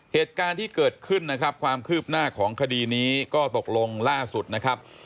เหตุการณ์ที่เกิดขึ้นนะครับความคืบหน้าของคดีนี้ก็ตกลงล่าสุดนะครับ